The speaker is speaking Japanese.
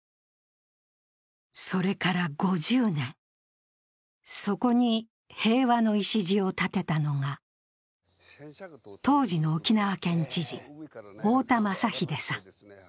それから５０年、そこに平和の礎を建てたのが、当時の沖縄県知事、大田昌秀さん。